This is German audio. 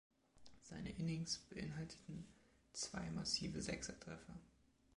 Seine Innings beinhalteten zwei massive Sechser-Treffer.